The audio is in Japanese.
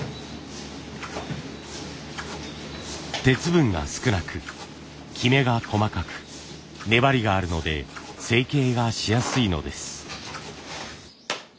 鉄分が少なくキメが細かく粘りがあるので成形がしやすいのです。